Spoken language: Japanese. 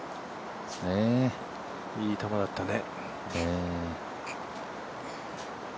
いい球だったね。